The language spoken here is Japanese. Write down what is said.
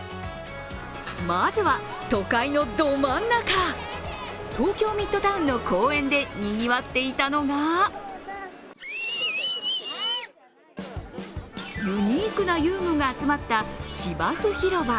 まずは、都会のど真ん中、東京ミッドタウンの公園でにぎわっていたのがユニークな遊具が集まった芝生広場。